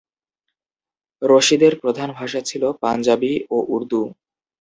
রশিদের প্রধান ভাষা ছিল পাঞ্জাবি ও উর্দু।